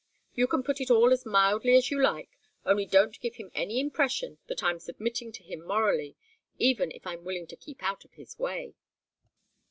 You can put it all as mildly as you like, only don't give him any impression that I'm submitting to him morally, even if I'm willing to keep out of his way."